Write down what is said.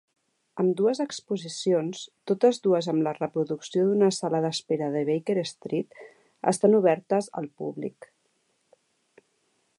Ambdues exposicions, totes dues amb la reproducció d'una sala d'espera de Baker Street, estan obertes al públic.